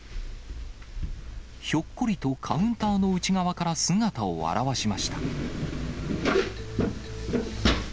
ひょっこりとカウンターの内側から姿を現しました。